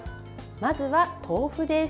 まずは豆腐です。